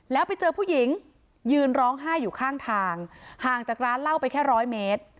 แล้วไปเจอผู้หญิงยืนร้องไห้อยู่ข้างทางห่างจากร้านเหล้าไปแค่ร้อยเมตร